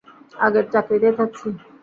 আগের চাকরিতেই থাকছি।